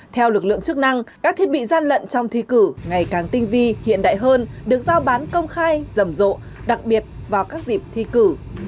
theo lực lượng chức năng các thiết bị gian lận trong thi cử ngày càng tinh vi hiện đại hơn được giao bán công khai rầm rộ đặc biệt vào các dịp thi cử